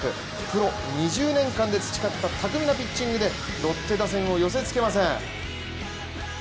プロ２０年間で培った巧みなピッチングでロッテ打線を寄せ付けません。